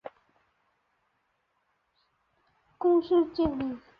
透纳娱乐公司建立。